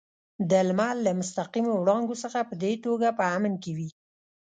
د لمر له مستقیمو وړانګو څخه په دې توګه په امن کې وي.